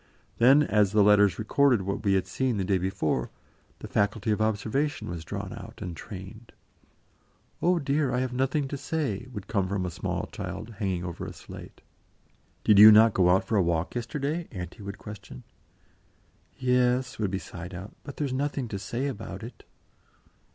Then, as the letters recorded what we had seen the day before, the faculty of observation was drawn out and trained. "Oh, dear! I have nothing to say!" would come from a small child, hanging over a slate. "Did you not go out for a walk yesterday?" Auntie would question. "Yes," would be sighed out; "but there's nothing to say about it."